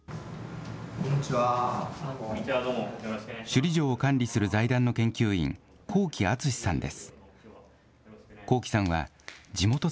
首里城を管理する財団の研究員、幸喜淳さんです。